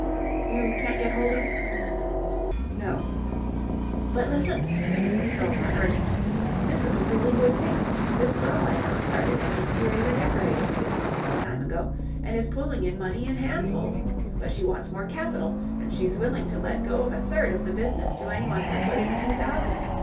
"You can't get hold of it?" "No." "But listen," said Mrs. Fillmore, urgently. "This is a really good thing. This girl I know started an interior decorating business some time ago and is pulling in the money in handfuls. But she wants more capital, and she's willing to let go of a third of the business to anyone who'll put in a few thousand.